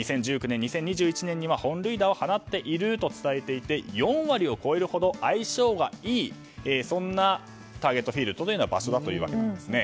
２０１９年、２０２１年には本塁打を放っていると伝えていて４割を超えるほど相性がいいそんなターゲット・フィールドだそうです。